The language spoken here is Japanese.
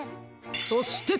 そして。